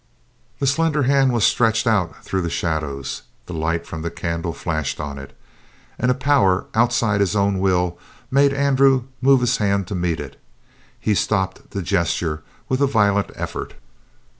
The slender hand was stretched out through the shadows, the light from the candle flashed on it. And a power outside his own will made Andrew move his hand to meet it. He stopped the gesture with a violent effort.